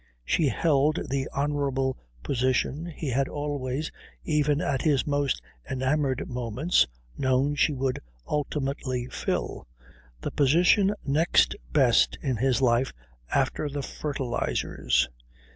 She held the honourable position he had always, even at his most enamoured moments, known she would ultimately fill, the position next best in his life after the fertilizers.